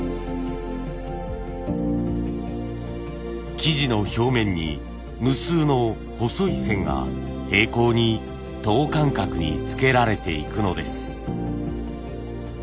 素地の表面に無数の細い線が平行に等間隔に付けられていくのです。